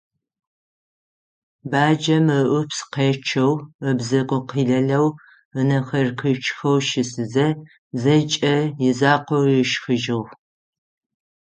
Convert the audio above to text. Баджэм ыӀупс къечъэу ыбзэгу къилэлэу, ынэхэр къичъхэу щысызэ, зэкӀэ изакъоу ышхыжьыгъ.